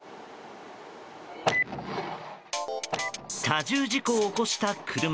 多重事故を起こした車。